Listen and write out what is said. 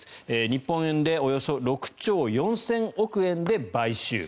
日本円でおよそ６兆４０００億円で買収。